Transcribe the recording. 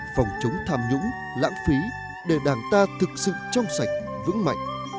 phòng chống tham nhũng lãng phí để đảng ta thực sự trong sạch vững mạnh